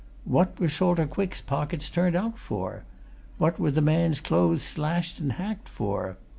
What were Salter Quick's pockets turned out for? What were the man's clothes slashed and hacked for?